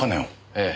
ええ。